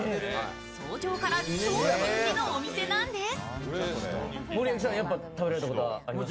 早朝から超人気のお店なんです。